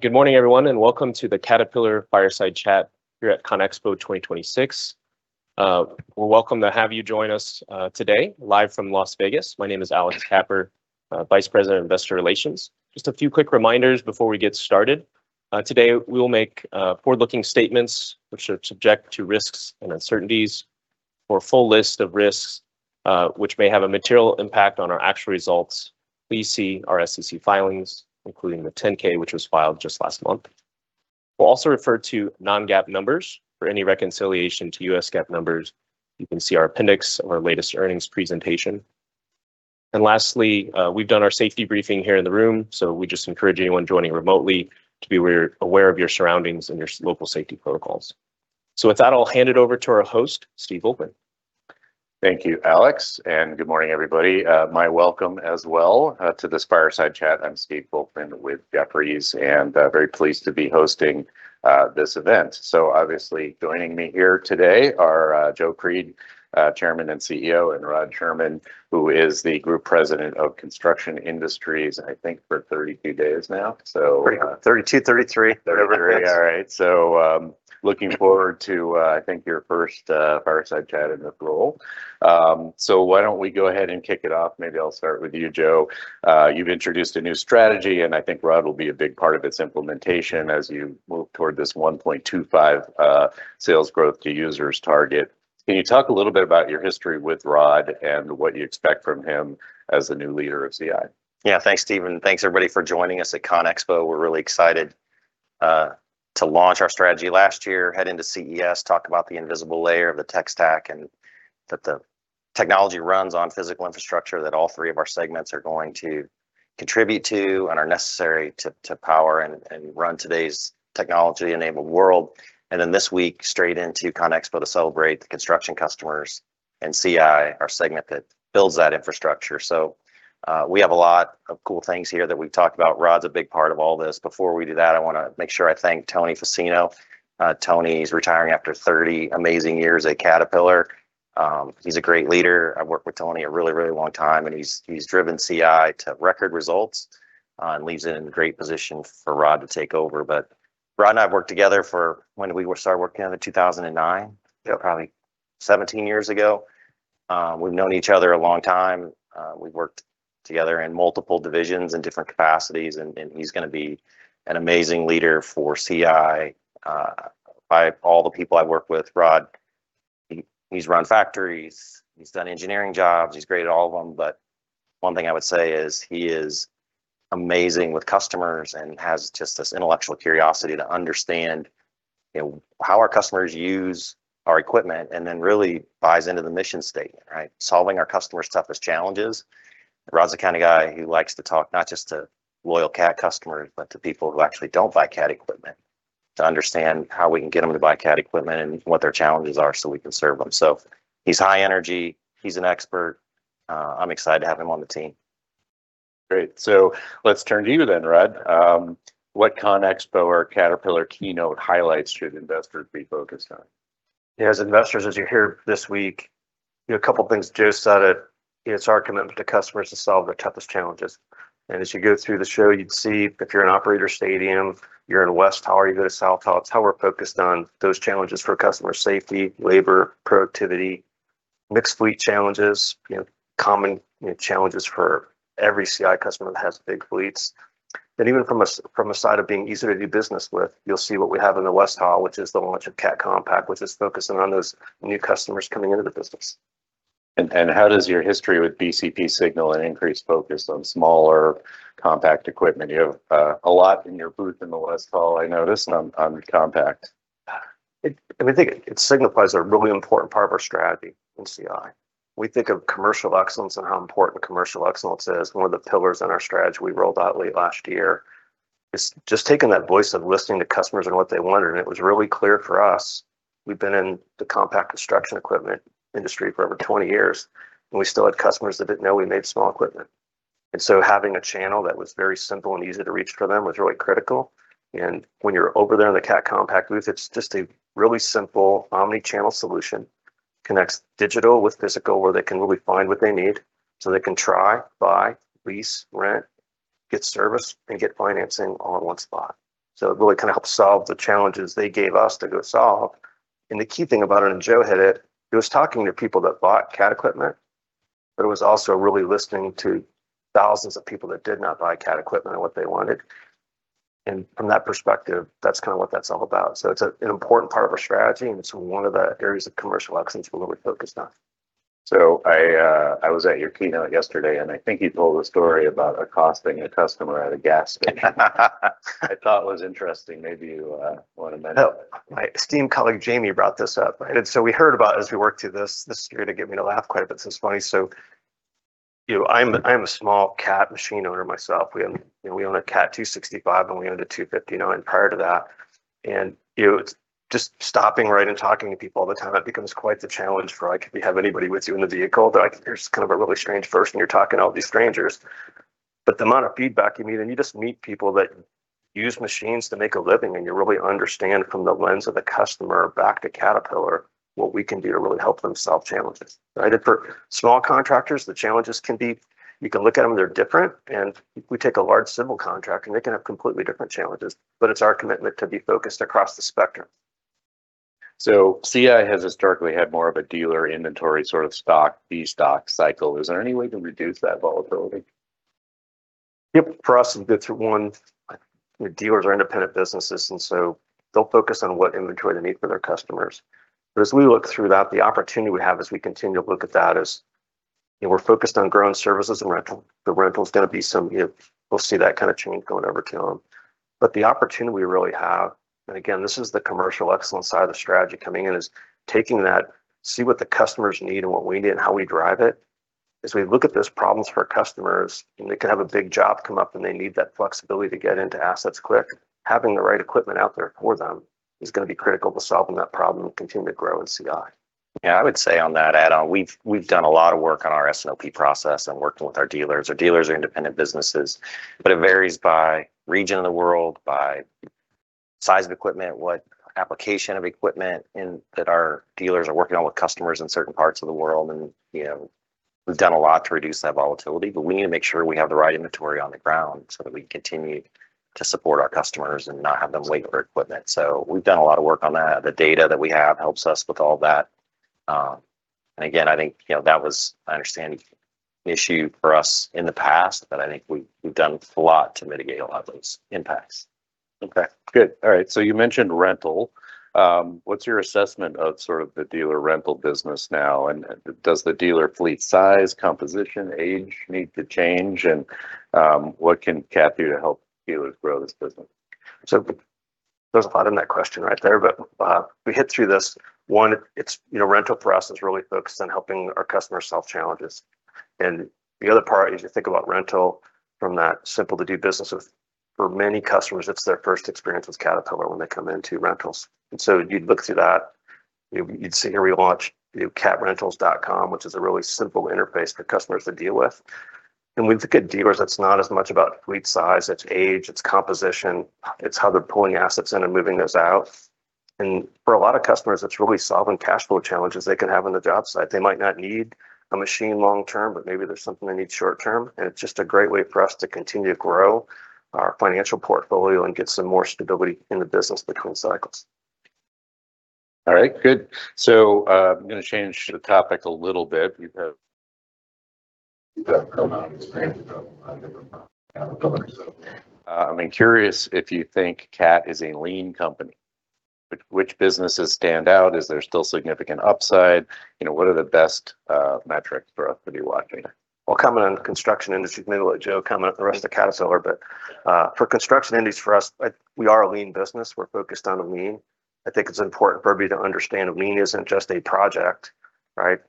Good morning, everyone, and welcome to the Caterpillar Fireside Chat here at CONEXPO 2026. We're welcome to have you join us today live from Las Vegas. My name is Alex Kapper, Vice President of Investor Relations. Just a few quick reminders before we get started. Today we will make forward-looking statements which are subject to risks and uncertainties. For a full list of risks, which may have a material impact on our actual results, please see our SEC filings, including the 10-K, which was filed just last month. We'll also refer to non-GAAP numbers. For any reconciliation to U.S. GAAP numbers, you can see our appendix of our latest earnings presentation. Lastly, we've done our safety briefing here in the room, so we just encourage anyone joining remotely to be aware of your surroundings and your local safety protocols. With that, I'll hand it over to our host, Steve Volkmann. Thank you, Alex, and good morning, everybody. My welcome as well, to this Fireside Chat. I'm Steve Volkmann with Jefferies, and very pleased to be hosting this event. Obviously joining me here today are Joe Creed, Chairman and CEO, and Rod Shurman, who is the Group President of Construction Industries, I think for 32 days now. 32, 33. 33. All right. Looking forward to, I think your first Fireside Chat in that role. Why don't we go ahead and kick it off? Maybe I'll start with you, Joe. You've introduced a new strategy, and I think Rod will be a big part of its implementation as you move toward this 1.25 sales growth to users target. Can you talk a little bit about your history with Rod and what you expect from him as the new leader of CI? Thanks, Steven. Thanks everybody for joining us at ConExpo. We're really excited to launch our strategy last year, head into CES, talk about the invisible layer of the tech stack and that the technology runs on physical infrastructure that all three of our segments are going to contribute to and are necessary to power and run today's technology-enabled world. This week straight into ConExpo to celebrate the construction customers and CI, our segment that builds that infrastructure. We have a lot of cool things here that we've talked about. Rod's a big part of all this. Before we do that, I want to make sure I thank Tony Fassino. Tony is retiring after 30 amazing years at Caterpillar. He's a great leader. I've worked with Tony a really, really long time, and he's driven CI to record results and leaves it in a great position for Rod to take over. Rod and I have worked together for... When did we start working together? 2009? Yeah, probably 17 years ago. We've known each other a long time. We've worked together in multiple divisions in different capacities and he's going to be an amazing leader for CI. By all the people I've worked with, Rod, he's run factories, he's done engineering jobs, he's great at all of them, but one thing I would say is he is amazing with customers and has just this intellectual curiosity to understand, you know, how our customers use our equipment and then really buys into the mission statement, right? Solving our customers' toughest challenges. Rod's the kind of guy who likes to talk not just to loyal Cat customers, but to people who actually don't buy Cat equipment to understand how we can get them to buy Cat equipment and what their challenges are so we can serve them. He's high energy. He's an expert. I'm excited to have him on the team. Great. Let's turn to you then, Rod. What CONEXPO-CON/AGG or Caterpillar keynote highlights should investors be focused on? As investors, as you hear this week, you know, a couple of things Joe said it. It's our commitment to customers to solve their toughest challenges. As you go through the show, you'd see if you're in Operator Stadium, you're in West Hall, or you go to South Hall. It's how we're focused on those challenges for customer safety, labor, productivity, mixed fleet challenges, you know, common challenges for every CI customer that has big fleets. Even from a side of being easy to do business with. You'll see what we have in the West Hall, which is the launch of Cat Compact, which is focusing on those new customers coming into the business. How does your history with BCP signal an increased focus on smaller compact equipment? You have a lot in your booth in the West Hall; I noticed on compact. We think it signifies a really important part of our strategy in CI. We think of commercial excellence and how important commercial excellence is. One of the pillars in our strategy we rolled out late last year is just taking that voice of listening to customers and what they wanted. It was really clear for us. We've been in the compact construction equipment industry for over 20 years. We still had customers that didn't know we made small equipment. Having a channel that was very simple and easy to reach for them was really critical. When you're over there in the Cat Compact booth, it's just a really simple omnichannel solution, connects digital with physical where they can really find what they need, so they can try, buy, lease, rent, get service, and get financing all in one spot. It really kind of helps solve the challenges they gave us to go solve. The key thing about it, and Joe hit it was talking to people that bought Cat equipment, but it was also really listening to thousands of people that did not buy Cat equipment and what they wanted. From that perspective, that's kind of what that's all about. It's a, an important part of our strategy, and it's one of the areas of commercial excellence we're really focused on. I was at your keynote yesterday, and I think you told a story about accosting a customer at a gas station. I thought it was interesting. Maybe you want to mention it. Oh, my esteemed colleague, Jamie, brought this up. We heard about as we worked through this started to get me to laugh quite a bit. It's funny. You know, I'm a small Cat machine owner myself. We own, you know, we own a Cat 265, and we owned a 259 prior to that. You know, it's just stopping right and talking to people all the time, that becomes quite the challenge for like if you have anybody with you in the vehicle, they're like, "You're just kind of a really strange person. You're talking to all these strangers." The amount of feedback you meet, and you just meet people that use machines to make a living, and you really understand from the lens of the customer back to Caterpillar what we can do to really help them solve challenges, right? For small contractors, the challenges can be. You can look at them, they're different. If we take a large civil contract, they can have completely different challenges, but it's our commitment to be focused across the spectrum. CI has historically had more of a dealer inventory sort of stock, B stock cycle. Is there any way to reduce that volatility? Yep. For us, Dealers are independent businesses, they'll focus on what inventory they need for their customers. As we look through that, the opportunity we have as we continue to look at that is, you know, we're focused on growing services and rental. The rental's going to be some, you know, we'll see that kind of change going over to them. The opportunity we really have, again, this is the commercial excellence side of the strategy coming in, is taking that, see what the customers need and what we need and how we drive it. As we look at those problems for our customers, they could have a big job come up, and they need that flexibility to get into assets quick. Having the right equipment out there for them is going to be critical to solving that problem and continue to grow in CI. Yeah, I would say on that add on, we've done a lot of work on our S&OP process and working with our dealers. Our dealers are independent businesses. It varies by region of the world, by size of equipment, what application of equipment, and that our dealers are working on with customers in certain parts of the world. You know, we've done a lot to reduce that volatility, but we need to make sure we have the right inventory on the ground so that we continue to support our customers and not have them wait for equipment. We've done a lot of work on that. The data that we have helps us with all that. Again, I think, you know, that was, I understand, an issue for us in the past, but I think we've done a lot to mitigate a lot of those impacts. Okay, good. All right, you mentioned rental. What's your assessment of sort of the dealer rental business now, and does the dealer fleet size, composition, age need to change? What can Cat do to help dealers grow this business? There's a lot in that question right there, we hit through this. One, it's, you know, rental for us is really focused on helping our customers solve challenges. The other part is you think about rental from that simple to do business with. For many customers, it's their first experience with Caterpillar when they come into rentals. You'd look through that, you'd see a relaunch, new catrentals.com, which is a really simple interface for customers to deal with. With the good dealers, it's not as much about fleet size, its age, its composition, it's how they're pulling assets in and moving those out. For a lot of customers, it's really solving cash flow challenges they can have on the job site. They might not need a machine long term, but maybe there's something they need short term. It's just a great way for us to continue to grow our financial portfolio and get some more stability in the business between cycles. All right, good. I'm going to change the topic a little bit. I mean, curious if you think Cat is a lean company? Which businesses stand out? Is there still significant upside? You know, what are the best metrics for us to be watching? Coming in Construction Industries, maybe let Joe comment the rest of Caterpillar, for Construction Industries, for us, we are a lean business. We're focused on lean. I think it's important for me to understand lean isn't just a project, right?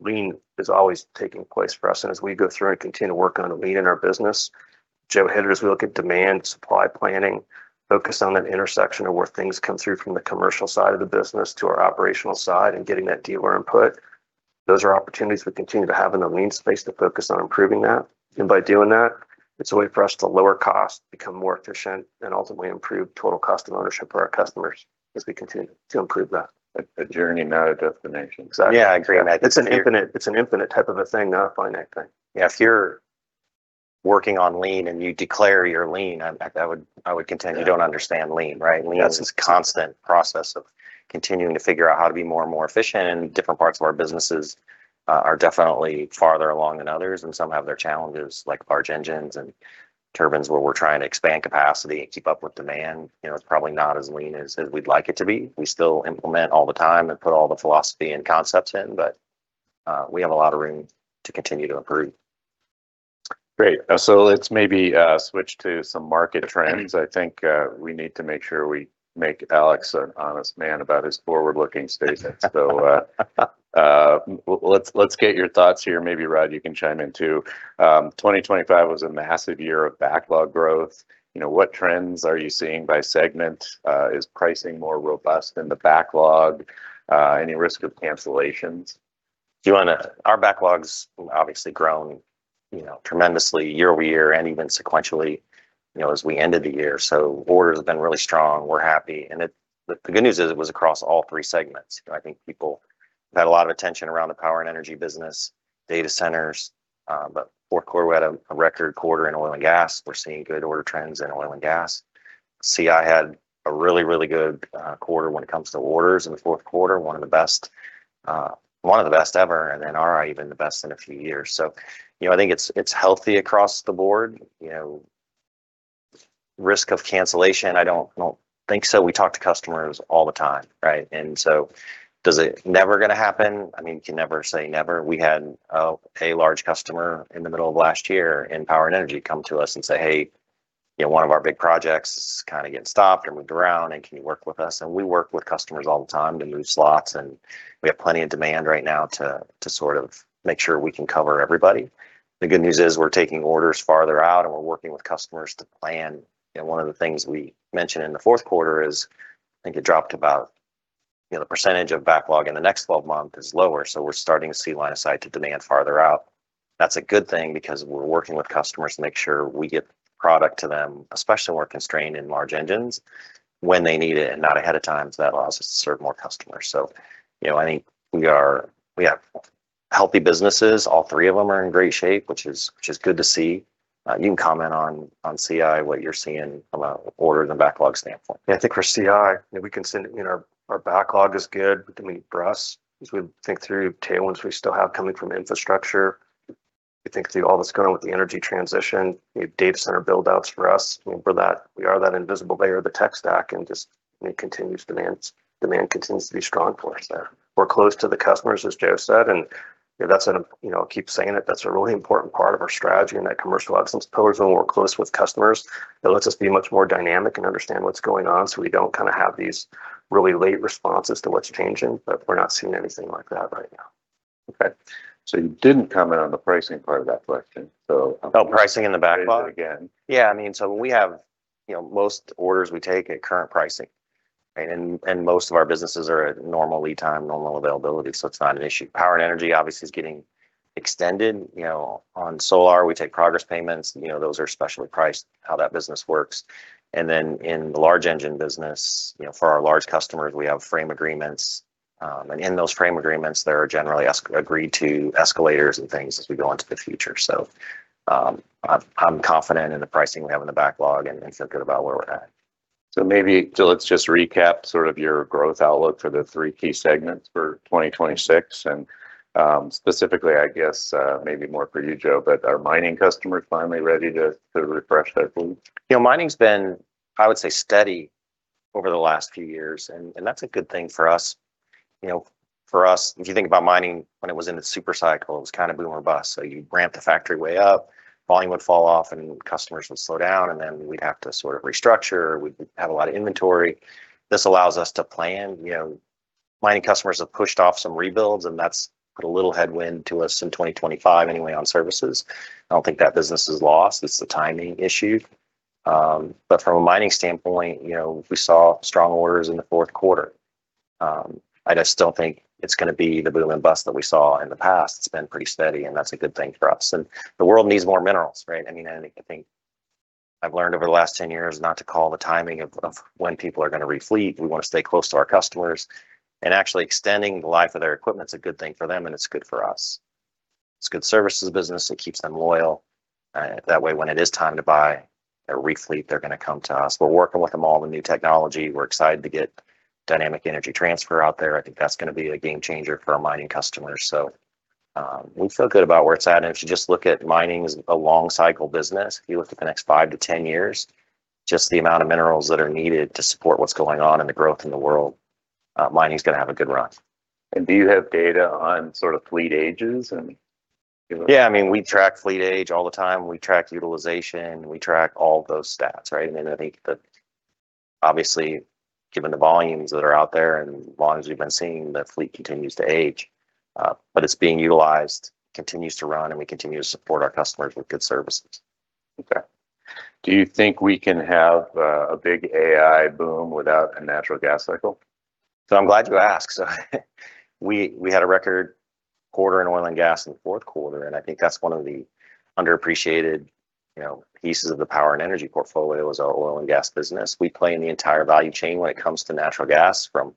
Lean is always taking place for us. As we go through and continue to work on lean in our business, Joe as we look at demand, supply planning, focus on that intersection of where things come through from the commercial side of the business to our operational side and getting that dealer input. Those are opportunities we continue to have in the lean space to focus on improving that. By doing that, it's a way for us to lower cost, become more efficient, and ultimately improve total cost of ownership for our customers as we continue to improve that. A journey, not a destination. Yeah, I agree. It's an infinite type of a thing, not a finite thing. If you're working on lean and you declare you're lean, I would contend you don't understand lean, right? Lean is this constant process of continuing to figure out how to be more and more efficient, and different parts of our businesses are definitely farther along than others, and some have their challenges, like large engines and turbines, where we're trying to expand capacity and keep up with demand. You know, it's probably not as lean as we'd like it to be. We still implement all the time and put all the philosophy and concepts in. We have a lot of room to continue to improve. Great. let's maybe switch to some market trends. I think we need to make sure we make Alex an honest man about his forward-looking statements. let's get your thoughts here. Maybe, Rod, you can chime in too. 2025 was a massive year of backlog growth. You know, what trends are you seeing by segment? Is pricing more robust than the backlog? Any risk of cancellations? Our backlog's obviously grown, you know, tremendously year-over-year and even sequentially, you know, as we ended the year. Orders have been really strong. We're happy. The good news is it was across all three segments. You know, I think people had a lot of attention around the power and energy business, data centers. Fourth quarter, we had a record quarter in oil and gas. We're seeing good order trends in oil and gas. CI had a really good quarter when it comes to orders in the fourth quarter, one of the best, one of the best ever, and then RI even the best in a few years. You know, I think it's healthy across the board. You know, risk of cancellation, I don't think so. We talk to customers all the time, right? Is it never going to happen? I mean, you can never say never. We had a large customer in the middle of last year in power and energy come to us and say, "Hey, you know, one of our big projects is kind of getting stopped and moved around, and can you work with us?" We work with customers all the time to move slots, and we have plenty of demand right now to sort of make sure we can cover everybody. The good news is we're taking orders farther out, and we're working with customers to plan. You know, one of the things we mentioned in the fourth quarter is I think it dropped about, you know, the percentage of backlog in the next 12 months is lower. We're starting to see line of sight to demand farther out. That's a good thing because we're working with customers to make sure, we get product to them, especially when we're constrained in large engines, when they need it and not ahead of time, so that allows us to serve more customers. You know, I think we have healthy businesses, all three of them are in great shape, which is good to see. You can comment on CI, what you're seeing from an order and a backlog standpoint. Yeah, I think for CI, you know, we can send, you know, our backlog is good. For us, as we think through tailwinds we still have coming from infrastructure, we think through all that's going on with the energy transition, you know, data center buildouts for us, you know, for that. We are that invisible layer of the tech stack, and just we continue to demand continues to be strong for us there. We're close to the customers, as Joe said, you know, that's a, you know, I keep saying it, that's a really important part of our strategy and that commercial absence pillar is when we're close with customers. It lets us be much more dynamic and understand what's going on, so we don't kind of have these really late responses to what's changing, but we're not seeing anything like that right now. Okay. You didn't comment on the pricing part of that question. Oh, pricing in the backlog? Say it again. I mean, when we have, you know, most orders we take at current pricing, right? Most of our businesses are at normal lead time, normal availability, it's not an issue. Power and energy obviously is getting extended, you know, on Solar Turbines, we take progress payments, you know, those are specially priced, how that business works. In the large engine business, you know, for our large customers, we have frame agreements. In those frame agreements there are generally agreed to escalators and things as we go into the future. I'm confident in the pricing we have in the backlog and feel good about where we're at. Maybe, let's just recap sort of your growth outlook for the three key segments for 2026. Specifically, I guess, maybe more for you, Joe, but are mining customers finally ready to refresh their fleet? You know, mining's been, I would say, steady over the last few years, and that's a good thing for us. You know, for us, if you think about mining, when it was in its super cycle, it was kind of boom or bust. You'd ramp the factory way up, volume would fall off and customers would slow down, then we'd have to sort of restructure. We'd have a lot of inventory. This allows us to plan. You know, mining customers have pushed off some rebuilds, and that's put a little headwind to us in 2025 anyway on services. I don't think that business is lost. It's a timing issue. From a mining standpoint, you know, we saw strong orders in the fourth quarter. I just don't think it's going to be the boom and bust that we saw in the past. It's been pretty steady. That's a good thing for us. The world needs more minerals, right? I mean, I think I've learned over the last 10 years not to call the timing of when people are going to refleet. We want to stay close to our customers. Actually, extending the life of their equipment's a good thing for them and it's good for us. It's a good services business. It keeps them loyal. That way when it is time to buy or refleet, they're going to come to us. We're working with them all on new technology. We're excited to get Dynamic Energy Transfer out there. I think that's going to be a game changer for our mining customers. We feel good about where it's at. If you just look at mining as a long cycle business, if you look to the next 5 to 10 years, just the amount of minerals that are needed to support what's going on and the growth in the world, mining's going to have a good run. Do you have data on sort of fleet ages and, you know- I mean, we track fleet age all the time. We track utilization. We track all those stats, right? I mean, I think that obviously given the volumes that are out there and volumes we've been seeing, the fleet continues to age. It's being utilized, continues to run, and we continue to support our customers with good services. Okay. Do you think we can have a big AI boom without a natural gas cycle? I'm glad you asked. We had a record quarter in oil and gas in the fourth quarter, and I think that's one of the underappreciated, you know, pieces of the power and energy portfolio is our oil and gas business. We play in the entire value chain when it comes to natural gas, from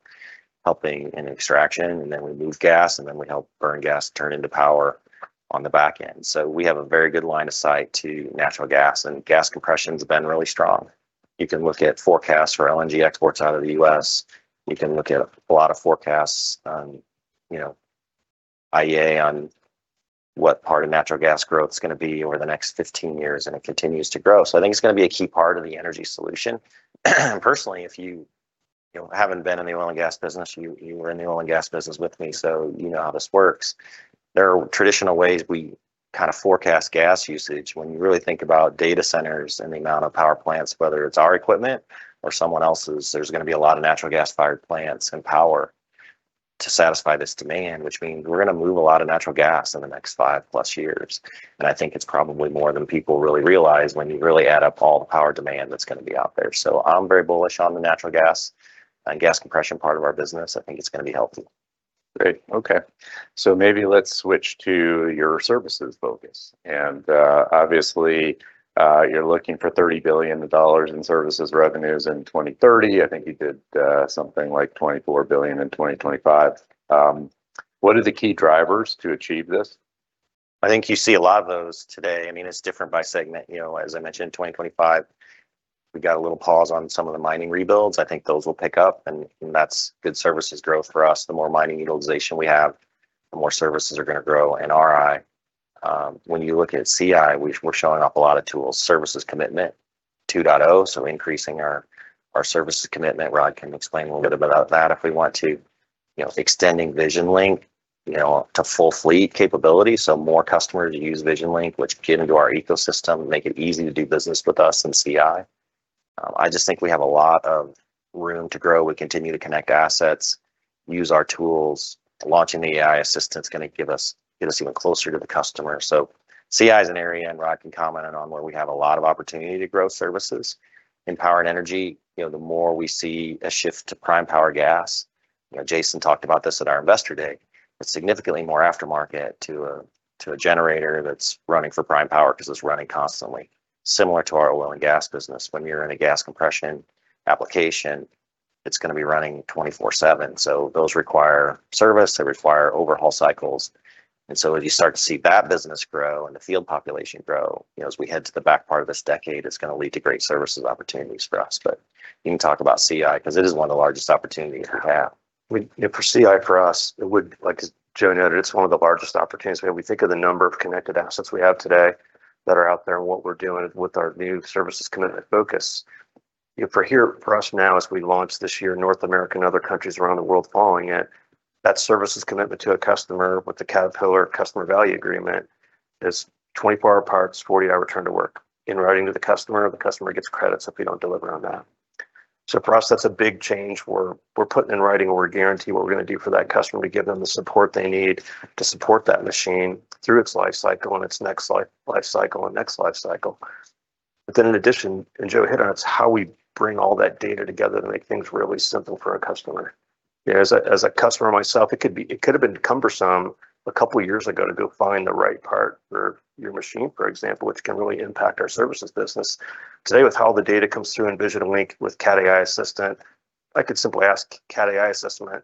helping in extraction, and then we move gas, and then we help burn gas turn into power on the back end. We have a very good line of sight to natural gas, and gas compression's been really strong. You can look at forecasts for LNG exports out of the U.S. You can look at a lot of forecasts on, you know, IEA on what part of natural gas growth's going to be over the next 15 years, and it continues to grow. I think it's going to be a key part of the energy solution. Personally, if you know, haven't been in the oil and gas business, you were in the oil and gas business with me, so you know how this works. There are traditional ways we kind of forecast gas usage. When you really think about data centers and the amount of power plants, whether it's our equipment or someone else's, there's going to be a lot of natural gas-fired plants and power to satisfy this demand, which means we're going to move a lot of natural gas in the next five plus years. I think it's probably more than people really realize when you really add up all the power demand that's going to be out there. I'm very bullish on the natural gas and gas compression part of our business. I think it's going to be healthy. Great. Okay. Maybe let's switch to your services focus. Obviously, you're looking for $30 billion in services revenues in 2030. I think you did something like $24 billion in 2025. What are the key drivers to achieve this? I think you see a lot of those today. I mean, it's different by segment. You know, as I mentioned, in 2025, we got a little pause on some of the mining rebuilds. I think those will pick up, and that's good services growth for us. The more mining utilization we have, the more services are going to grow in RI. When you look at CI, we're showing off a lot of tools. Services Commitment 2.0, so increasing our services commitment. Rod can explain a little bit about that if we want to. You know, extending VisionLink, you know, to full fleet capability, so more customers use VisionLink, which get into our ecosystem, make it easy to do business with us in CI. I just think we have a lot of room to grow. We continue to connect assets, use our tools. Launching the Cat AI Assistant's going to give us, get us even closer to the customer. CI is an area, and Rod can comment in on, where we have a lot of opportunity to grow services. In power and energy, you know, the more we see a shift to prime power gas, you know, Jason talked about this at our investor day. It's significantly more aftermarket to a, to a generator that's running for prime power because it's running constantly. Similar to our oil and gas business, when we're in a gas compression application. It's going to be running 24/7, so those require service, they require overhaul cycles. As you start to see that business grow and the field population grow, you know, as we head to the back part of this decade, it's going to lead to great services opportunities for us. You can talk about CI because it is one of the largest opportunities we have. Yeah. You know, for CI, for us, it would. Like as Joe noted, it's one of the largest opportunities. When we think of the number of connected assets we have today that are out there and what we're doing with our new services commitment focus. You know, for here, for us now as we launch this year, North America and other countries around the world following it, that services commitment to a customer with the Caterpillar Customer Value Agreement is 24-hour parts, 48-hour return to work. In writing to the customer, the customer gets credits if we don't deliver on that. For us, that's a big change. We're putting in writing or a guarantee what we're going to do for that customer to give them the support they need to support that machine through its life cycle and its next life cycle and next life cycle. In addition, and Joe hit on this, how we bring all that data together to make things really simple for a customer. You know, as a customer myself, it could have been cumbersome a couple of years ago to go find the right part for your machine, for example, which can really impact our services business. Today with how the data comes through in VisionLink with Cat AI Assistant, I could simply ask Cat AI Assistant,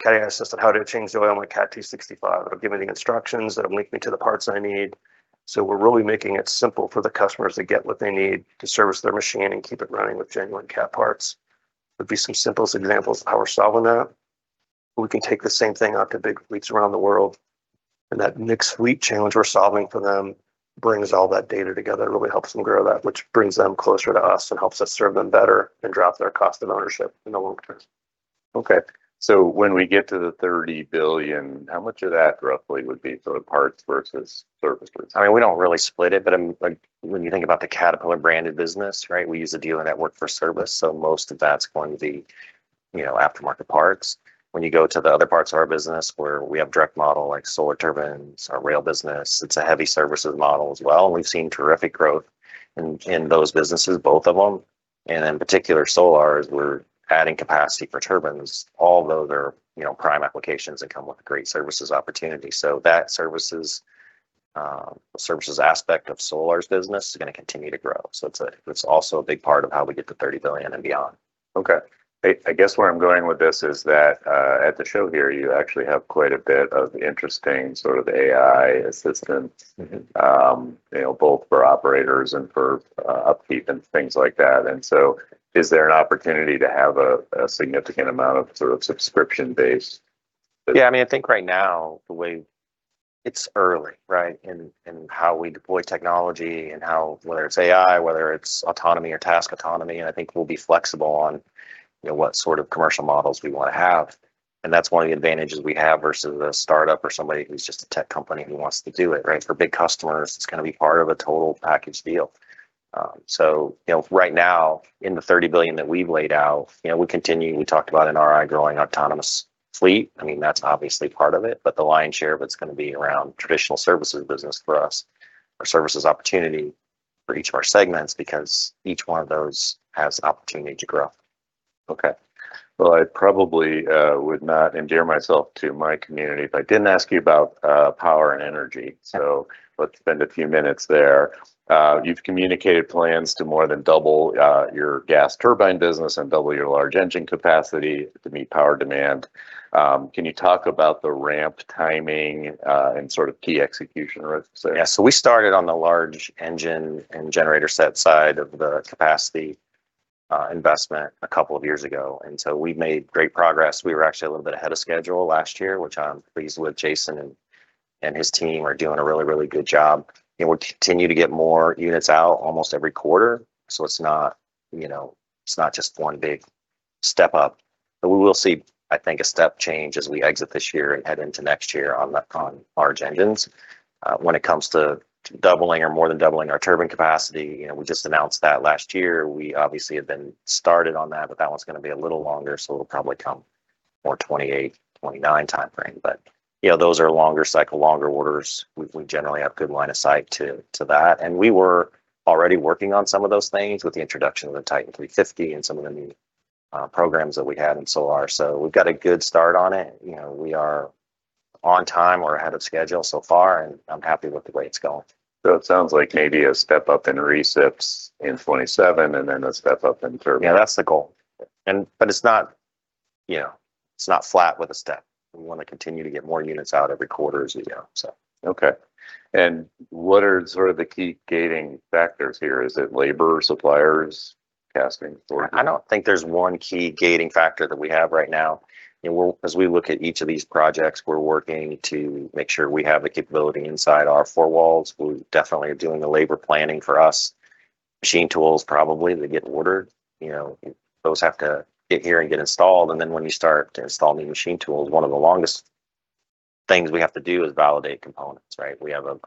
"Cat AI Assistant, how do I change the oil on a CT660" It'll give me the instructions; it'll link me to the parts I need. We're really making it simple for the customers to get what they need to service their machine and keep it running with genuine Cat parts. Would be some simplest examples of how we're solving that. We can take the same thing out to big fleets around the world, and that mixed fleet challenge we're solving for them brings all that data together, really helps them grow that, which brings them closer to us and helps us serve them better and drop their cost of ownership in the long term. Okay. When we get to the $30 billion, how much of that roughly would be sort of parts versus service-based? I mean, we don't really split it. Like when you think about the Caterpillar branded business, right, we use a dealer network for service, so most of that's going to be, you know, aftermarket parts. When you go to the other parts of our business where we have direct model like Solar Turbines or rail business, it's a heavy services model as well. We've seen terrific growth in those businesses, both of them. In particular Solar, as we're adding capacity for turbines, all those are, you know, prime applications that come with great services opportunity. That services aspect of Solar's business is going to continue to grow. It's also a big part of how we get to $30 billion and beyond. Okay. I guess where I'm going with this is that, at the show here, you actually have quite a bit of interesting sort of AI assistance. Mm-hmm... you know, both for operators and for upkeep and things like that. Is there an opportunity to have a significant amount of sort of subscription base? I mean, I think right now it's early, right, in how we deploy technology and how, whether it's AI, whether it's autonomy or task autonomy, I think we'll be flexible on, you know, what sort of commercial models we want to have. That's one of the advantages we have versus a startup or somebody who's just a tech company who wants to do it, right? For big customers, it's going to be part of a total package deal. You know, right now in the $30 billion that we've laid out, you know, we continue, we talked about in RI growing autonomous fleet. I mean, that's obviously part of it, the lion's share of it's going to be around traditional services business for us or services opportunity for each of our segments because each one of those has opportunity to grow. Okay. Well, I probably would not endear myself to my community if I didn't ask you about power and energy. Yeah. Let's spend a few minutes there. You've communicated plans to more than double your gas turbine business and double your large engine capacity to meet power demand. Can you talk about the ramp timing and sort of key execution risks there? Yeah. We started on the large engine and generator set side of the capacity investment a couple of years ago. We've made great progress. We were actually a little bit ahead of schedule last year, which I'm pleased with. Jason and his team are doing a really good job, and we'll continue to get more units out almost every quarter. It's not, you know, it's not just one big step up. We will see, I think, a step change as we exit this year and head into next year on large engines. When it comes to doubling or more than doubling our turbine capacity, you know, we just announced that last year. We obviously have been started on that, but that one's going to be a little longer, so it'll probably come more 2028, 2029 timeframe. You know, those are longer cycle, longer orders. We generally have good line of sight to that. We were already working on some of those things with the introduction of the Titan 350 and some of the new programs that we had in Solar. We've got a good start on it. You know, we are on time or ahead of schedule so far, and I'm happy with the way it's going. It sounds like maybe a step up in recips in 2027 and then a step up in turbine. Yeah, that's the goal. It's not, you know, it's not flat with a step. We want to continue to get more units out every quarter as we go, so. Okay. What are sort of the key gating factors here? Is it labor, suppliers, casting, or- I don't think there's one key gating factor that we have right now. You know, as we look at each of these projects, we're working to make sure we have the capability inside our four walls. We definitely are doing the labor planning for us. Machine tools probably that get ordered, you know. Those have to get here and get installed, then when you start to install new machine tools, one of the longest things we have to do is validate components, right? We have a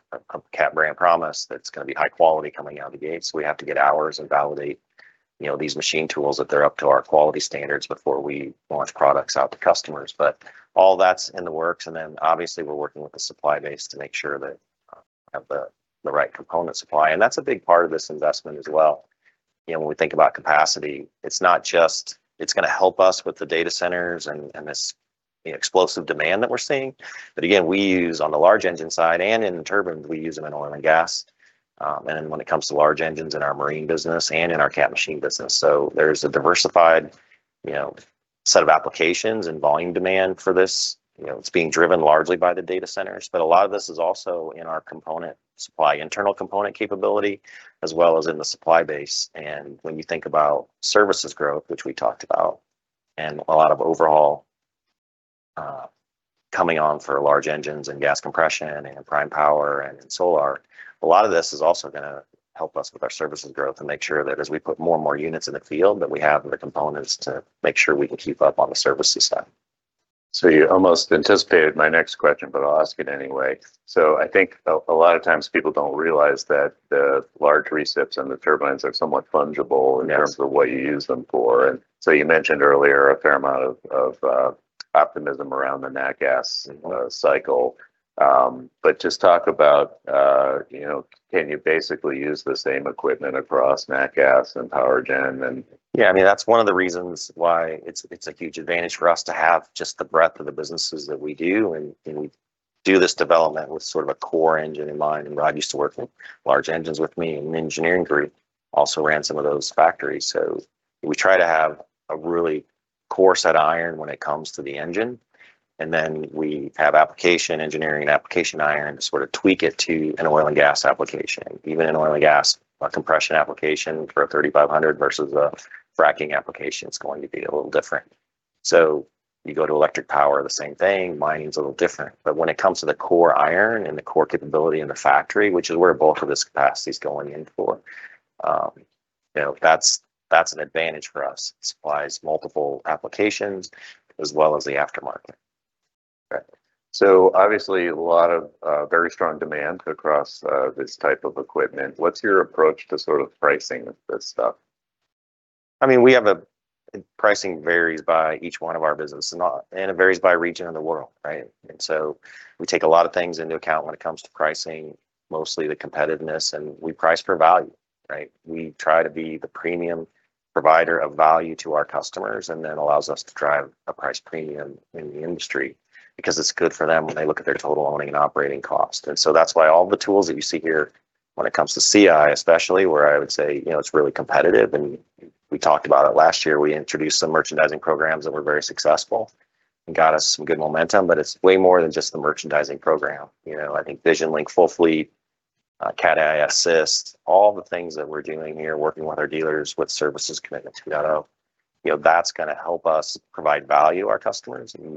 Cat brand promise that it's going to be high quality coming out of the gate, we have to get ours and validate, you know, these machine tools that they're up to our quality standards before we launch products out to customers. All that's in the works. Obviously, we're working with the supply base to make sure that we have the right component supply. That's a big part of this investment as well. You know, when we think about capacity, it's not just it's going to help us with the data centers and the explosive demand that we're seeing. Again, we use on the large engine side and in the turbine, we use them in oil and gas. When it comes to large engines in our marine business and in our Cat machine business. There's a diversified, you know, set of applications and volume demand for this. You know, it's being driven largely by the data centers, a lot of this is also in our component supply, internal component capability, as well as in the supply base. When you think about services growth, which we talked about, and a lot of overall, coming on for large engines and gas compression and prime power and Solar, a lot of this is also going to help us with our services growth and make sure that as we put more and more units in the field, that we have the components to make sure we can keep up on the services side. You almost anticipated my next question, but I'll ask it anyway. I think a lot of times people don't realize that the large recips and the turbines are somewhat fungible... Yes... in terms of what you use them for. You mentioned earlier a fair amount of optimism around the nat gas. Mm-hmm... cycle. Just talk about, you know, can you basically use the same equipment across nat gas and power gen? Yeah, I mean, that's one of the reasons why it's a huge advantage for us to have just the breadth of the businesses that we do, and we do this development with sort of a core engine in mind. Rod used to work in large engines with me in the engineering group, also ran some of those factories. We try to have a really core set of iron when it comes to the engine, and then we have application engineering and application iron to sort of tweak it to an oil and gas application. Even an oil and gas, a compression application for a 3500 versus a fracking application is going to be a little different. You go to electric power, the same thing. Mining's a little different. When it comes to the core iron and the core capability in the factory, which is where both of this capacity is going in for, you know, that's an advantage for us. Supplies multiple applications as well as the aftermarket. Right. Obviously, a lot of very strong demand across this type of equipment. What's your approach to sort of pricing this stuff? I mean, we have pricing varies by each one of our businesses, and it varies by region of the world, right? We take a lot of things into account when it comes to pricing, mostly the competitiveness, and we price for value, right? We try to be the premium provider of value to our customers, and that allows us to drive a price premium in the industry because it's good for them when they look at their Total Owning and Operating Cost. That's why all the tools that you see here when it comes to CI especially where I would say, you know, it's really competitive and we talked about it last year. We introduced some merchandising programs that were very successful and got us some good momentum, it's way more than just the merchandising program. You know, I think VisionLink full fleet, Cat Assist, all the things that we're doing here, working with our dealers, with Services commitments. You know, that's going to help us provide value to our customers, and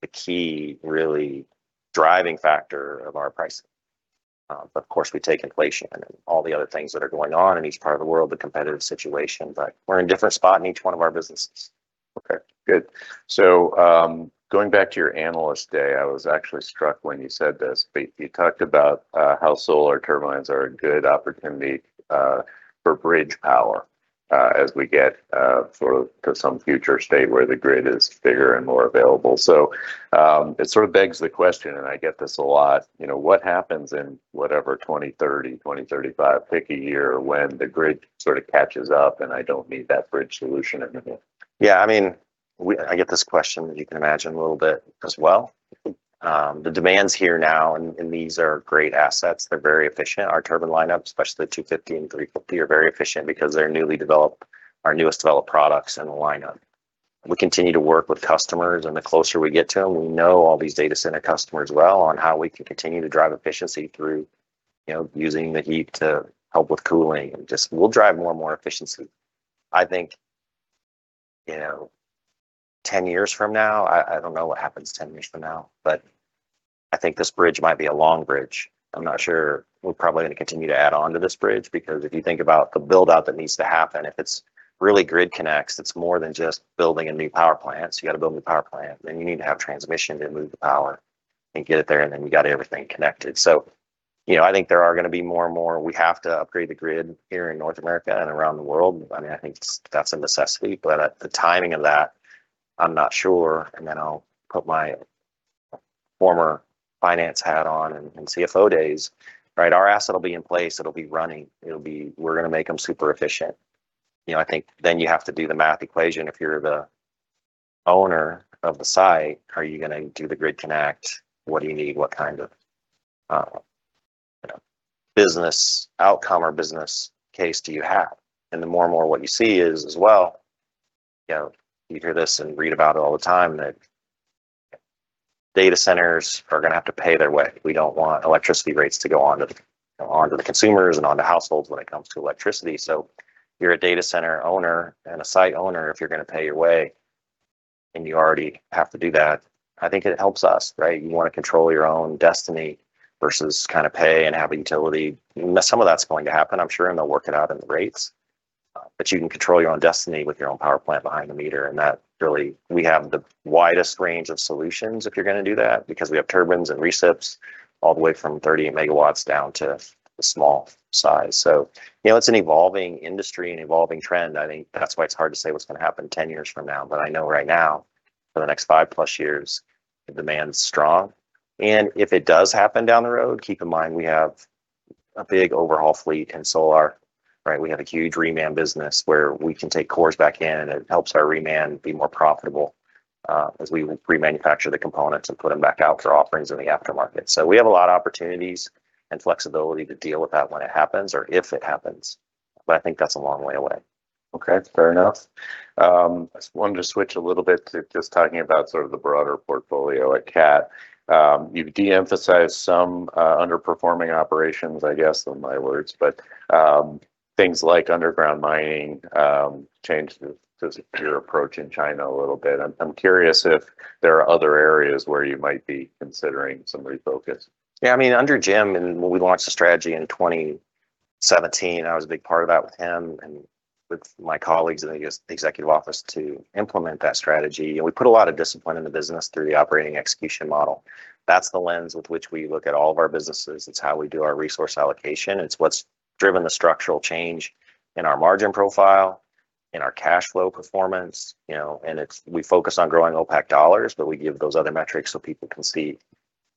that's the key really driving factor of our pricing. Of course, we take inflation and all the other things that are going on in each part of the world, the competitive situation, but we're in a different spot in each one of our businesses. Okay, good. Going back to your analyst day, I was actually struck when you said this. You talked about how Solar Turbines are a good opportunity for bridge power as we get sort of to some future state where the grid is bigger and more available. It sort of begs the question, and I get this a lot, you know, what happens in whatever, 2030, 2035, pick a year, when the grid sort of catches up and I don't need that bridge solution anymore? Yeah, I mean, I get this question, as you can imagine, a little bit as well. The demands here now and these are great assets, they're very efficient. Our turbine lineup, especially the 250 and 350 are very efficient because they're newly developed, our newest developed products in the lineup. We continue to work with customers, the closer we get to them, we know all these data center customers well on how we can continue to drive efficiency through, you know, using the heat to help with cooling and just we'll drive more and more efficiency. I think, you know, 10 years from now, I don't know what happens 10 years from now, I think this bridge might be a long bridge. I'm not sure. We're probably going to continue to add on to this bridge because if you think about the build-out that needs to happen, if it's really grid connects, it's more than just building a new power plant. You gotta build a new power plant, you need to have transmission to move the power and get it there, you got everything connected. You know, I think there are going to be more and more. We have to upgrade the grid here in North America and around the world. I mean, I think that's a necessity. The timing of that, I'm not sure. I'll put my former finance hat on in CFO days, right? Our asset will be in place, it'll be running, we're going to make them super efficient. You know, I think you have to do the math equation. If you're the owner of the site, are you going to do the grid connect? What do you need? What kind of, you know, business outcome or business case do you have? The more and more what you see is as well, you know, you hear this and read about it all the time that data centers are going to have to pay their way. We don't want electricity rates to go on to, on to the consumers and onto households when it comes to electricity. You're a data center owner and a site owner, if you're going to pay your way, and you already have to do that, I think it helps us, right? You want to control your own destiny versus kind of pay and have a utility. Some of that's going to happen, I'm sure, and they'll work it out in the rates. You can control your own destiny with your own power plant behind-the-meter, and that really, we have the widest range of solutions if you're going to do that because we have turbines and recips all the way from 30 MW down to the small size. You know, it's an evolving industry and evolving trend. I think that's why it's hard to say what's going to happen 10 years from now. I know right now, for the next five plus years, the demands strong. If it does happen down the road, keep in mind we have a big overhaul fleet in Solar, right? We have a huge Reman business where we can take cores back in, and it helps our Reman be more profitable as we remanufacture the components and put them back out for offerings in the aftermarket. We have a lot of opportunities and flexibility to deal with that when it happens or if it happens, but I think that's a long way away. Okay. Fair enough. Just wanted to switch a little bit to just talking about sort of the broader portfolio at Cat. You've de-emphasized some underperforming operations, I guess, in my words. Things like underground mining, changed just your approach in China a little bit. I'm curious if there are other areas where you might be considering some refocus. Yeah, I mean, under Jim, when we launched the strategy in 2017, I was a big part of that with him and with my colleagues in the executive office to implement that strategy. We put a lot of discipline in the business through the Operating & Execution Model. That's the lens with which we look at all of our businesses. It's how we do our resource allocation. It's what's driven the structural change in our margin profile, in our cash flow performance, you know. We focus on growing OPACC dollars, we give those other metrics so people can see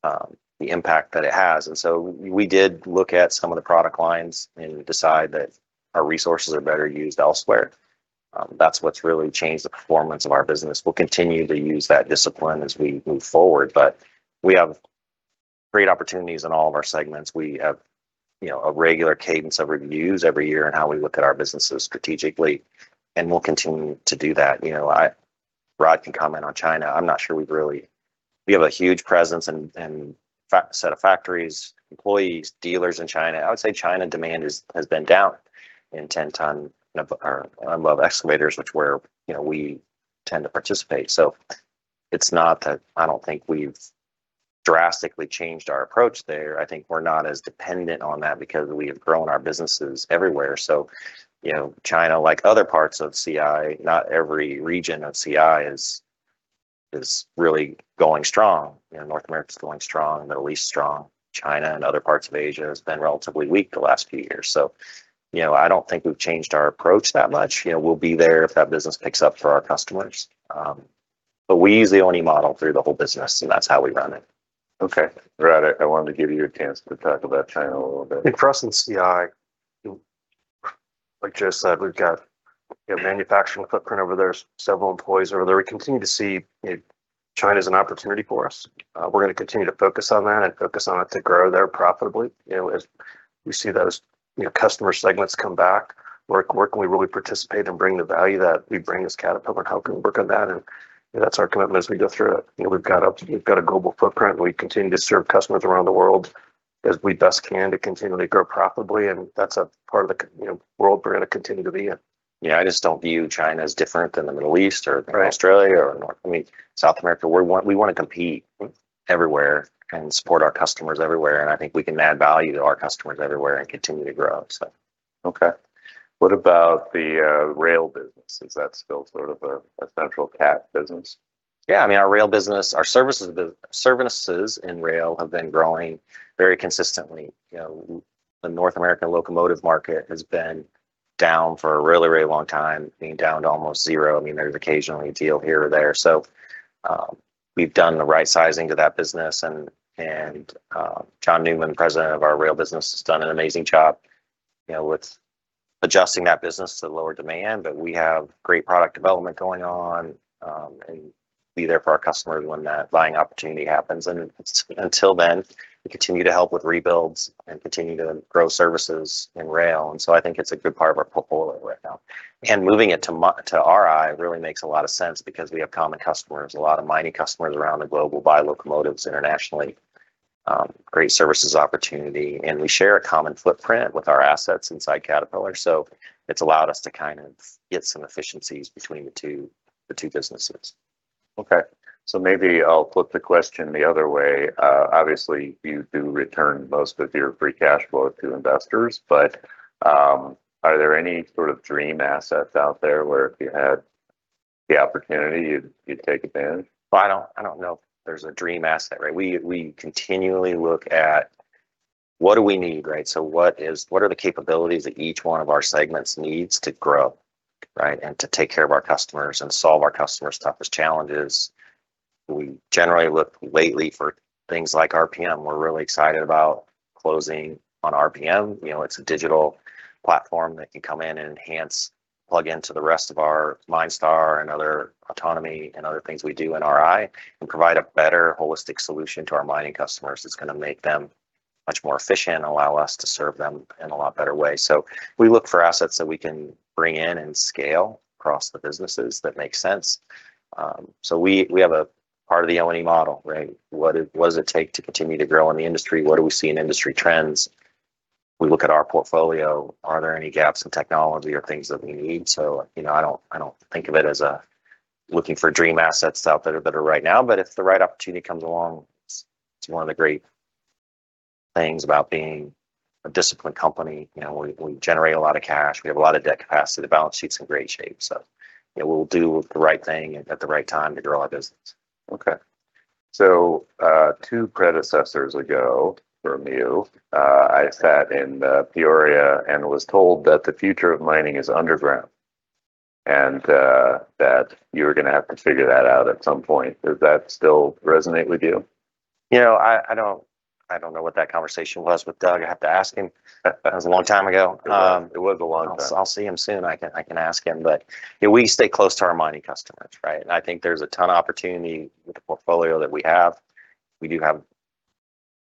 the impact that it has. We did look at some of the product lines and decide that our resources are better used elsewhere. That's what's really changed the performance of our business. We'll continue to use that discipline as we move forward. We have, you know, a regular cadence of reviews every year in how we look at our businesses strategically. We'll continue to do that. You know, Rod can comment on China. I'm not sure we. We have a huge presence and set of factories, employees, dealers in China. I would say China demand has been down in 10 ton or above excavators, which where, you know, we tend to participate. It's not that I don't think we've drastically changed our approach there. I think we're not as dependent on that because we have grown our businesses everywhere. You know, China, like other parts of CI, not every region of CI is really going strong. You know, North America's going strong, the Middle East strong. China and other parts of Asia has been relatively weak the last few years. You know, I don't think we've changed our approach that much. You know, we'll be there if that business picks up for our customers. We use the ONE model through the whole business, and that's how we run it. Okay. Rod, I wanted to give you a chance to tackle that China a little bit. For us in CI, like Joe said, we've got a manufacturing footprint over there, several employees over there. We continue to see China as an opportunity for us. We're going to continue to focus on that and focus on it to grow there profitably. You know, as we see those, you know, customer segments come back, where can we really participate and bring the value that we bring as Caterpillar? How can we work on that? That's our commitment as we go through it. You know, we've got a, we've got a global footprint, and we continue to serve customers around the world as we best can to continually grow profitably. That's a part of the you know, world we're going to continue to be in. Yeah, I just don't view China as different than the Middle East or Australia or I mean, South America. We want to compete everywhere and support our customers everywhere, and I think we can add value to our customers everywhere and continue to grow. So. Okay. What about the rail business? Is that still sort of a central Cat business? Yeah. I mean, our rail business, our services in rail have been growing very consistently. You know, the North American locomotive market has been down for a really long time, being down to almost zero. I mean, there's occasionally a deal here or there. We've done the right sizing to that business and John Newman, President of our rail business, has done an amazing job, you know, with adjusting that business to lower demand. We have great product development going on, and be there for our customers when that buying opportunity happens. Until then, we continue to help with rebuilds and continue to grow services in rail. I think it's a good part of our portfolio right now. Moving it to RI really makes a lot of sense because we have common customers. A lot of mining customers around the globe will buy locomotives internationally. Great services opportunity. We share a common footprint with our assets inside Caterpillar. It's allowed us to kind of get some efficiencies between the two businesses. Maybe I'll flip the question the other way. Obviously, you do return most of your free cash flow to investors, but are there any sort of dream assets out there where if you had the opportunity, you'd take advantage? I don't know if there's a dream asset, right? We continually look at what do we need, right? What are the capabilities that each one of our segments needs to grow, right, and to take care of our customers and solve our customers' toughest challenges? We generally look lately for things like RPM. We're really excited about closing on RPM. You know, it's a digital platform that can come in and enhance, plug into the rest of our MineStar and other autonomy and other things we do in RI and provide a better holistic solution to our mining customers. It's going to make them much more efficient and allow us to serve them in a lot better way. We look for assets that we can bring in and scale across the businesses that make sense. We have a part of the O&E Model, right? What does it take to continue to grow in the industry? What do we see in industry trends? We look at our portfolio. Are there any gaps in technology or things that we need? You know, I don't think of it as a looking for dream assets out there that are right now. If the right opportunity comes along, it's one of the great things about being a disciplined company. You know, we generate a lot of cash. We have a lot of debt capacity. The balance sheets in great shape. You know, we'll do the right thing at the right time to grow our business. Okay. Two predecessors ago from you, I sat in Peoria and was told that the future of mining is underground. That you're going to have to figure that out at some point. Does that still resonate with you? You know, I don't know what that conversation was with Doug. I'd have to ask him. That was a long time ago. It was a long time. I'll see him soon, I can ask him. Yeah, we stay close to our mining customers, right? I think there's a ton of opportunity with the portfolio that we have. What we,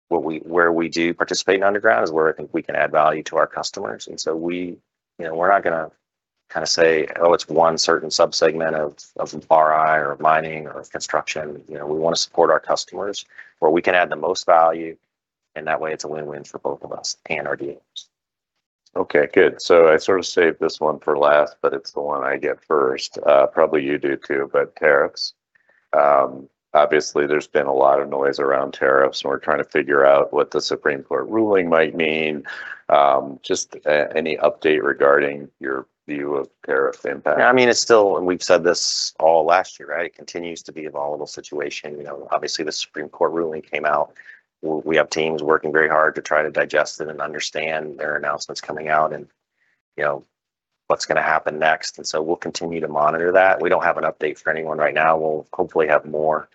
where we do participate in underground is where I think we can add value to our customers. We, you know, we're not going to kind of say, "Oh, it's one certain subsegment of RI or mining or construction," you know, we want to support our customers where we can add the most value, and that way it's a win-win for both of us and our dealers. Good. I sort of saved this one for last, but it's the one I get first. Probably you do too. Tariffs, obviously there's been a lot of noise around tariffs, and we're trying to figure out what the Supreme Court ruling might mean. Just any update regarding your view of tariff impact? Yeah, I mean, it's still, and we've said this all-last year, right? It continues to be a volatile situation. You know, obviously, the Supreme Court ruling came out. We have teams working very hard to try to digest it and understand their announcements coming out and, you know, what's going to happen next. We'll continue to monitor that. We don't have an update for anyone right now. We'll hopefully have more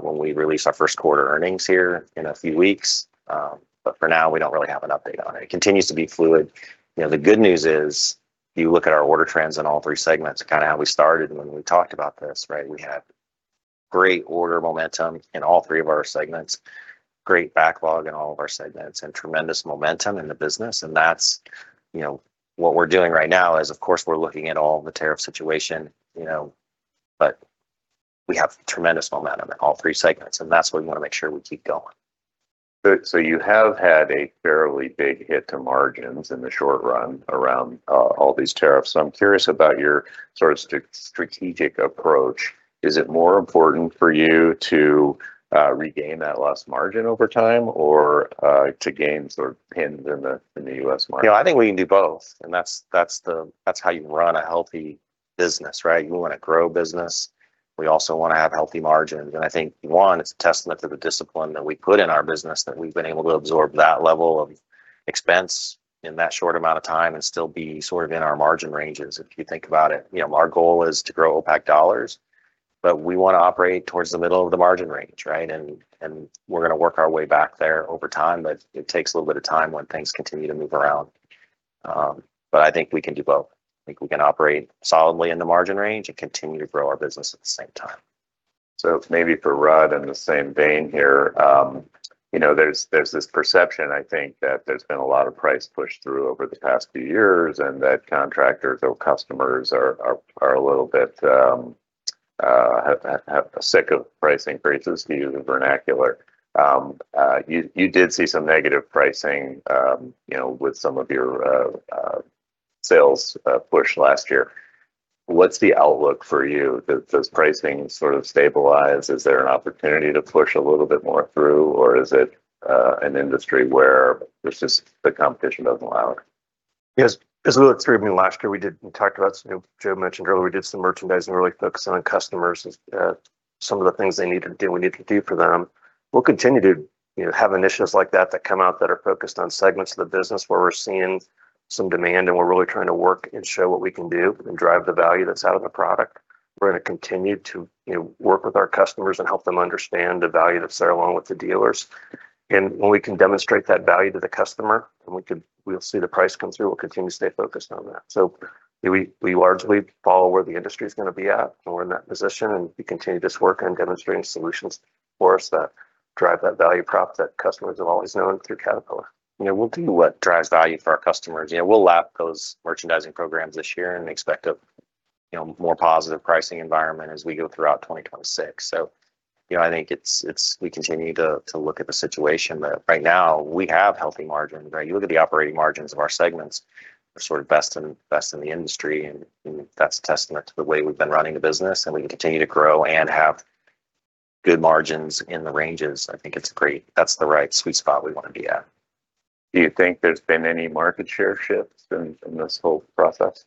when we release our first quarter earnings here in a few weeks. For now, we don't really have an update on it. It continues to be fluid. You know, the good news is, if you look at our order trends in all three segments, kind of how we started when we talked about this, right? We had great order momentum in all three of our segments, great backlog in all of our segments, and tremendous momentum in the business. That's, you know, what we're doing right now is, of course, we're looking at all the tariff situation, you know. We have tremendous momentum in all three segments, and that's what we want to make sure we keep going. You have had a fairly big hit to margins in the short run around all these tariffs, so I'm curious about your sort of strategic approach. Is it more important for you to regain that lost margin over time or to gain sort of pins in the US market? You know, I think we can do both, and that's how you run a healthy business, right? You want to grow business. We also want to have healthy margins. I think, one, it's a testament to the discipline that we put in our business that we've been able to absorb that level of expense in that short amount of time and still be sort of in our margin ranges. If you think about it, you know, our goal is to grow OPACC dollars, but we want to operate towards the middle of the margin range, right? We're going to work our way back there over time, but it takes a little bit of time when things continue to move around. I think we can do both. I think we can operate solidly in the margin range and continue to grow our business at the same time. Maybe for Rod, in the same vein here. you know, there's this perception, I think, that there's been a lot of price push-through over the past few years, and that contractors or customers are a little bit sick of price increases, to use the vernacular. you did see some negative pricing, you know, with some of your sales push last year. What's the outlook for you? Does pricing sort of stabilize? Is there an opportunity to push a little bit more through, or is it an industry where it's just the competition doesn't allow it? Yes. As we look through, I mean, last year we talked about some, Joe mentioned earlier, we did some merchandising, really focusing on customers and some of the things they need to do, we need to do for them. We'll continue to, you know, have initiatives like that that come out that are focused on segments of the business where we're seeing some demand, and we're really trying to work and show what we can do and drive the value that's out of the product. We're going to continue to, you know, work with our customers and help them understand the value that's there, along with the dealers. When we can demonstrate that value to the customer, then we'll see the price come through. We'll continue to stay focused on that. We largely follow where the industry is going to be at, and we're in that position, and we continue to just work on demonstrating solutions for us that drive that value prop that customers have always known through Caterpillar. You know, we'll do what drives value for our customers. You know, we'll lap those merchandising programs this year and expect a, you know, more positive pricing environment as we go throughout 2026. You know, I think it's, we continue to look at the situation. Right now, we have healthy margins, right? You look at the operating margins of our segments are sort of best in the industry, and that's a testament to the way we've been running the business, and we continue to grow and have good margins in the ranges. I think it's great. That's the right sweet spot we want to be at. Do you think there's been any market share shifts in this whole process?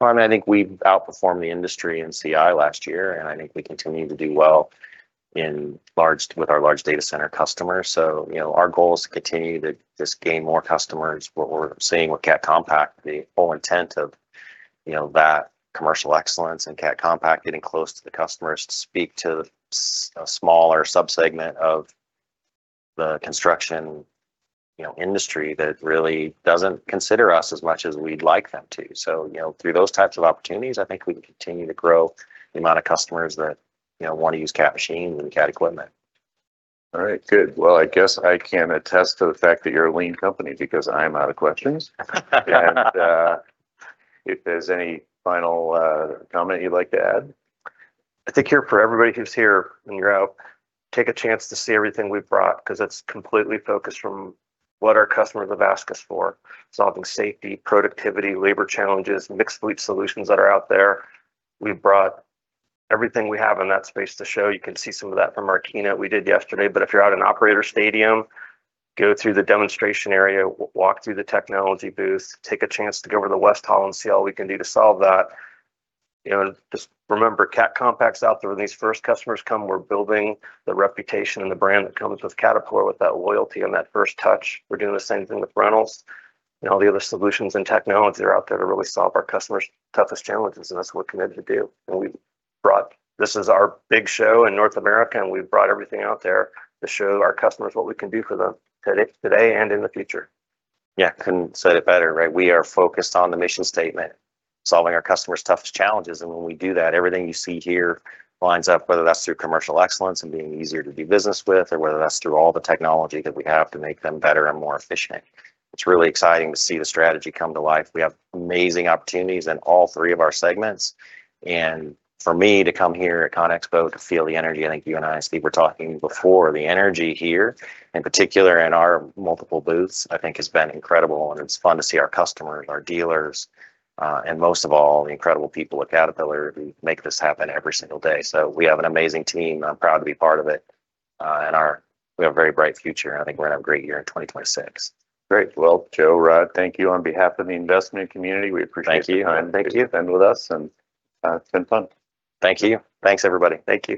I think we've outperformed the industry in CI last year, and I think we continue to do well with our large data center customers. You know, our goal is to continue to just gain more customers. What we're seeing with Cat Compact, the whole intent of, you know, that commercial excellence and Cat Compact getting close to the customers to speak to smaller subsegment of the construction, you know, industry that really doesn't consider us as much as we'd like them to. You know, through those types of opportunities, I think we can continue to grow the amount of customers that, you know, want to use Cat machines and Cat equipment. All right. Good. Well, I guess I can attest to the fact that you're a lean company because I'm out of questions. If there's any final comment you'd like to add? I think here for everybody who's here, when you're out, take a chance to see everything we've brought 'cause it's completely focused from what our customers have asked us for: solving safety, productivity, labor challenges, mixed fleet solutions that are out there. We've brought everything we have in that space to show. You can see some of that from our keynote we did yesterday. If you're out in Operator Stadium, go through the demonstration area, walk through the technology booth, take a chance to go over to the West Hall and see all we can do to solve that. You know, just remember, Cat Compact's out there. When these first customers come, we're building the reputation and the brand that comes with Caterpillar, with that loyalty and that first touch. We're doing the same thing with rentals and all the other solutions and technology that are out there to really solve our customers' toughest challenges, and that's what we're committed to do. This is our big show in North America, and we've brought everything out there to show our customers what we can do for them today and in the future. Yeah. Couldn't have said it better, right? We are focused on the mission statement, solving our customers' toughest challenges. When we do that, everything you see here lines up, whether that's through commercial excellence and being easier to do business with, or whether that's through all the technology that we have to make them better and more efficient. It's really exciting to see the strategy come to life. We have amazing opportunities in all three of our segments. For me to come here at CONEXPO to feel the energy, I think you and I, Steve, were talking before, the energy here, in particular in our multiple booths, I think has been incredible, and it's fun to see our customers, our dealers, and most of all, the incredible people at Caterpillar who make this happen every single day. We have an amazing team. I'm proud to be part of it. We have a very bright future, and I think we're going to have a great year in 2026. Great. Well, Joe, Rod, thank you on behalf of the investment community. We appreciate. Thank you. coming and spending time with us. Thank you. It's been fun. Thank you. Thanks everybody. Thank you.